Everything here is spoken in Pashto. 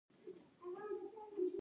ډيپلومات د باور فضا رامنځته کوي.